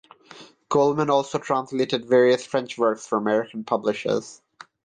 Coleman also translated various French works for American publishers.